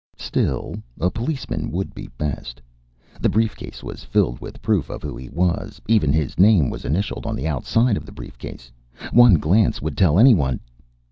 Still, a policeman would be best. The briefcase was filled with proof of who he was. Even his name was initialed on the outside of the briefcase. One glance would tell anyone